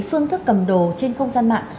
phương thức cầm đồ trên không gian mạng